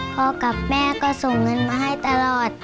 กับแม่ก็ส่งเงินมาให้ตลอด